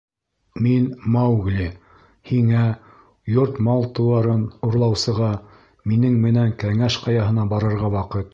— Мин — Маугли! һиңә, йорт мал-тыуарын урлаусыға, минең менән Кәңәш Ҡаяһына барырға ваҡыт!